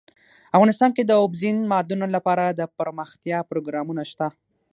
افغانستان کې د اوبزین معدنونه لپاره دپرمختیا پروګرامونه شته.